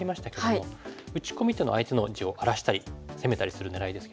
打ち込みっていうのは相手の地を荒らしたり攻めたりする狙いですけども。